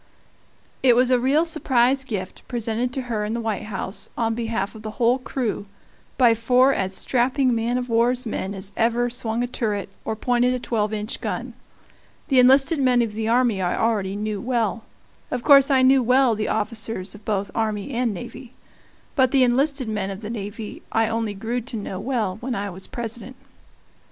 It was a real surprise gift, presented to her in the White House, on behalf of the whole crew, by four as strapping man of war's men as ever swung a turret or pointed a twelve inch gun. The enlisted men of the army I already knew well of course I knew well the officers of both army and navy. But the enlisted men of the navy I only grew to know well when I was President.